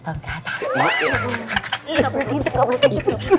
gak perlu tidur